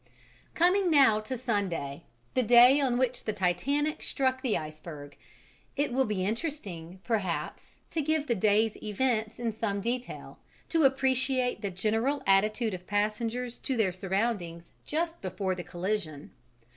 Coming now to Sunday, the day on which the Titanic struck the iceberg, it will be interesting, perhaps, to give the day's events in some detail, to appreciate the general attitude of passengers to their surroundings just before the collision.